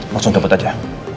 langsung tempat aja